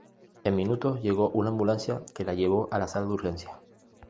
En minutos, llegó una ambulancia, que la llevó a la sala de urgencias.